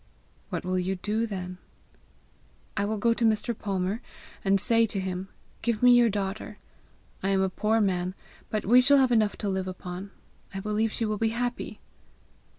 "What will you do then?" "I will go to Mr. Palmer, and say to him: 'Give me your daughter. I am a poor man, but we shall have enough to live upon. I believe she will be happy.'"